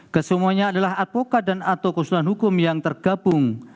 kesemuanya adalah advokat dan atau keseluruhan hukum yang tergabung